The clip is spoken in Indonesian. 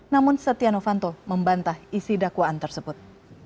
namun setia novanto membantah isi dakwaan tersebut